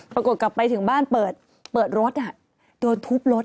กลับไปถึงบ้านเปิดรถโดนทุบรถ